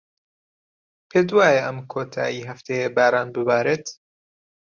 پێت وایە ئەم کۆتاییی هەفتەیە باران ببارێت؟